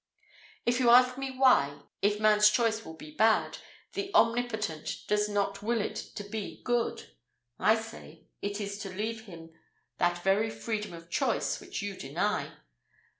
If you ask me why, if man's choice will be bad, the Omnipotent does not will it to be good? I say, it is to leave him that very freedom of choice which you deny.